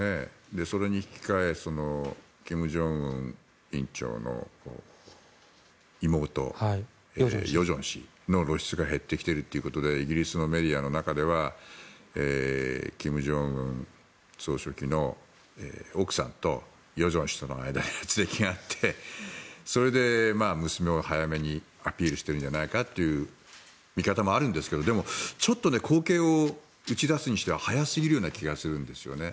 それに引き換え金正恩総書記の妹・与正氏の露出が減ってきているということでイギリスのメディアの中では金正恩総書記の奥さんと与正氏との間であつれきがあってそれで娘を早めにアピールしているんじゃないかという見方もあるんですけどでも、ちょっと後継を打ち出すにしては早すぎる気がするんですよね。